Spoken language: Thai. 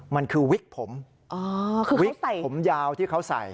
มันคือวิกผมคือวิกผมยาวที่เขาใส่